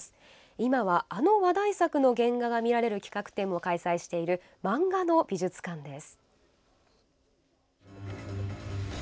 今は、あの話題作の原画が見られる企画展も開催されている漫画の美術館です。